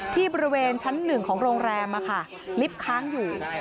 ที่บริเวณชั้น๑ของโรงแรมลิฟต์ค้างอยู่